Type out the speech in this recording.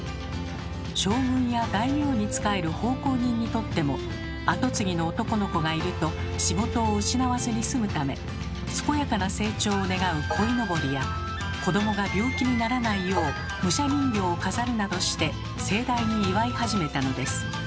将軍や大名に仕える奉公人にとっても跡継ぎの男の子がいると仕事を失わずにすむため健やかな成長を願うこいのぼりや子どもが病気にならないよう武者人形を飾るなどして盛大に祝い始めたのです。